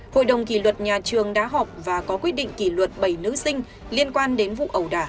hội đồng kỷ luật nhà trường đã họp và có quyết định kỷ luật bảy nữ sinh liên quan đến vụ ẩu đả